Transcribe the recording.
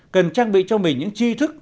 cần trang bị cho mình những chi thức